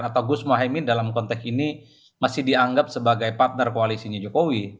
atau gus mohaimin dalam konteks ini masih dianggap sebagai partner koalisinya jokowi